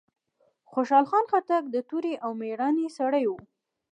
خوشحال خان خټک د توری او ميړانې سړی وه.